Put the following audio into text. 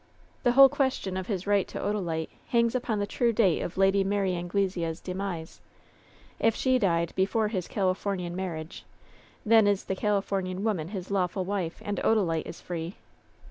The whole question of his right to Odalite hangs upon the true date of Lady Mary Angle sea's demise. If she died before his Califomian mar riage, then is the Califomian woman his lawful wife, and Odalite is free.